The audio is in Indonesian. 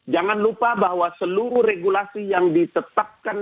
jangan lupa bahwa seluruh regulasi yang ditetapkan